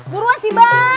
buruan sih bang